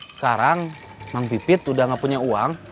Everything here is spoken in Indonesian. sekarang bang pipit udah gak punya uang